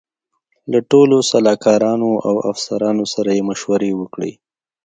له ټولو سلاکارانو او افسرانو سره یې مشورې وکړې.